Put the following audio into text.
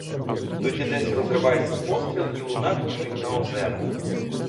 Тоді десь розривається постріл, і луна біжить на озера.